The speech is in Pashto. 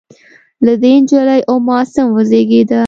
له دې نجلۍ ام عاصم وزېږېده.